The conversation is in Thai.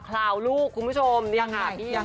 ยังไง